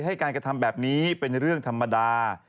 ให้การกระทำแบบนี้เป็นเรื่องธรรมดา